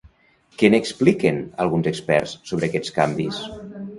Què n'expliquen, alguns experts, sobre aquests canvis?